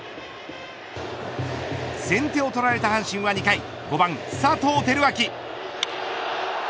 先手を取られた阪神は２回５番佐藤輝明。